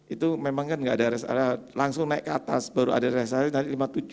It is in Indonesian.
itu memang kan enggak ada res area langsung naik ke atas baru ada res area dari lima puluh tujuh